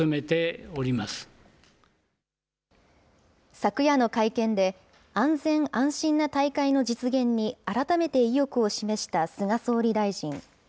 昨夜の会見で、安全安心な大会の実現に改めて意欲を示した菅総理大臣。